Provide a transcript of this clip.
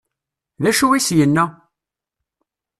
D acu i as-yenna?